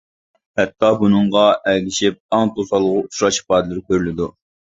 ھەتتا بۇنىڭغا ئەگىشىپ ئاڭ توسالغۇغا ئۇچراش ئىپادىلىرى كۆرۈلىدۇ.